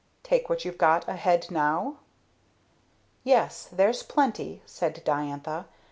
Take what you've got ahead now?" "Yes; there's plenty," said Diantha.